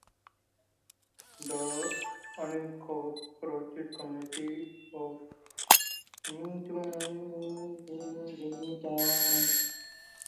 The unincorporated community of Metomen is in the town.